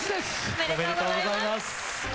おめでとうございます。